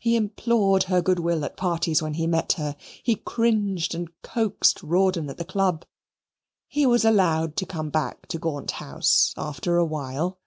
He implored her good will at parties where he met her. He cringed and coaxed Rawdon at the club. He was allowed to come back to Gaunt House after a while.